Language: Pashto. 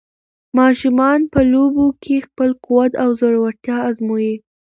ماشومان په لوبو کې خپل قوت او زړورتیا ازمويي.